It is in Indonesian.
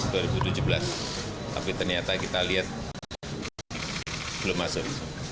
tapi ternyata kita lihat belum masuk